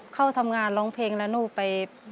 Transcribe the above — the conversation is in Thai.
เข้าทำงานร้องเพลงแล้วหนูไป